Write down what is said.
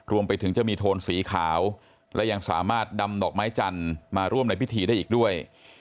รวมไปถึงจะมีโทนสีขาวและยังสามารถนำดอกไม้จันทร์มาร่วมในพิธีได้อีกด้วย